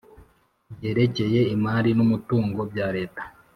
ryerekeye imari n umutungo bya Leta